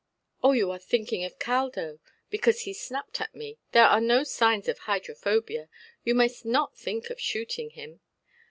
"Oh, you are thinking of Caldo, because he snapped at me. There are no signs of hydrophobia. You must not think of shooting him".